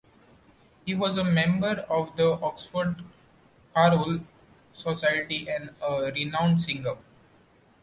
He was a member of the Oxford Choral Society and a renowned singer.